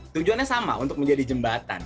tujuannya sama untuk menjadi jembatan